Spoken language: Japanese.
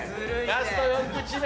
ラスト４口目。